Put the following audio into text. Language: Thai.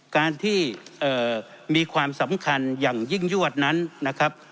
การที่มีความสำคัญอย่างยิ่งยวดนั้นนะครับ